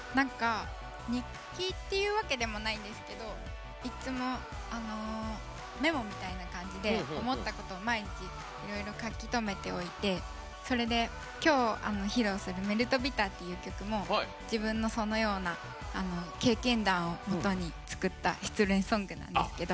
日記っていうわけでもないんですけどいつもメモみたいな感じで思ったことを毎日いろいろ書き留めておいてそれできょう、披露する「ｍｅｌｔｂｉｔｔｅｒ」っていう曲も自分の、そのような経験談をもとに作った失恋ソングなんですけど。